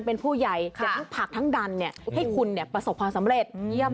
เป็นผู้ใหญ่ทั้งดันเนี่ยให้คุณเนี่ยประสบความสำเร็จเยี่ยม